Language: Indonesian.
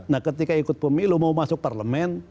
nah ketika ikut pemilu mau masuk parlemen